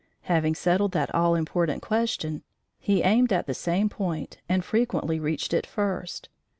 Having settled that all important question, he aimed at the same point and frequently reached it first.